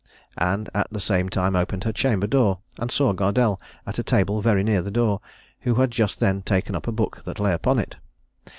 and at the same time opened her chamber door, and saw Gardelle at a table very near the door, who had just then taken up a book that lay upon it.